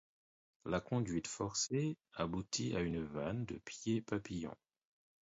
La conduite forcée aboutit à une vanne de pied papillon.